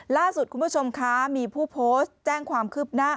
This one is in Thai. ล่าสุดคุณผู้ชมคะมีผู้โพสต์แจ้งความคืบหน้า